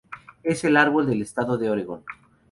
Es el árbol del estado de Oregón.